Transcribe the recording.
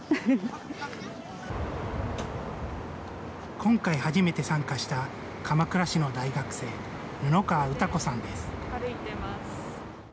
今回初めて参加した、鎌倉市の大学生、布川詩子さんです。